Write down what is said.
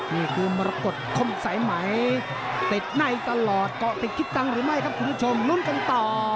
นี่คือมรกฏคมสายไหมติดในตลอดเกาะติดคิดตังค์หรือไม่ครับคุณผู้ชมลุ้นกันต่อ